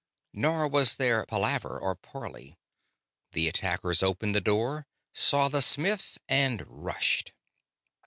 Nor was there palaver or parley. The attackers opened the door, saw the smith, and rushed.